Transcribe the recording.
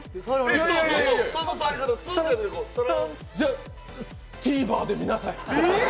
じゃあ、ＴＶｅｒで見て。